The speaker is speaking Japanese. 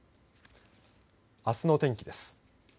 あすの天気です。